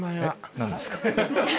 何ですか？